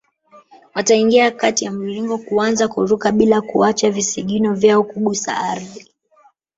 Wataingia kati ya mviringo kuanza kuruka bila kuacha visigino vyao kugusa ardhi